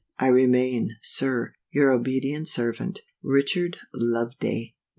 I remain Sir, your obedient servant, RICHARD LOVEDAY. No.